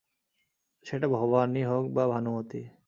সেটা ভবানী হোক বা ভানুমতী!